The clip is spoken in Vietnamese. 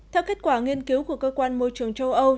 theo kết quả nghiên cứu của cơ quan môi trường châu âu